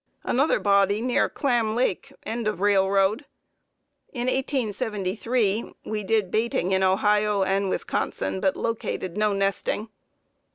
Another body near Clam Lake, end of railroad. In 1873 we did baiting in Ohio and Wisconsin, but located no nesting.